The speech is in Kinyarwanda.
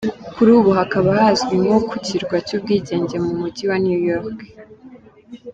kuri ubu hakaba hazwi nko ku kirwa cy’ubwigenge mu mujyi wa New York.